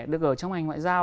được ở trong ngành ngoại giao